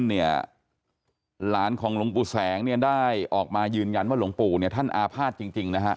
หลานของหลงปู่แสงได้ออกมายืนยันว่าหลงปู่ท่านอาภาษณ์จริงนะครับ